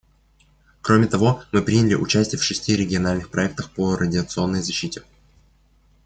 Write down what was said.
Кроме того, мы приняли участие в шести региональных проектах по радиационной защите.